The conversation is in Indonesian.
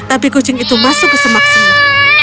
tapi kucing itu masuk ke semaksimah